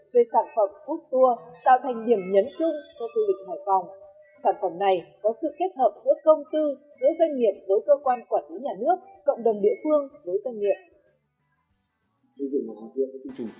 về sản phẩm food tour